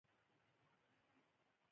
یو انساني ناورین دی